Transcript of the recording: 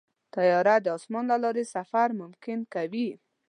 طیاره د اسمان له لارې سفر ممکن کوي.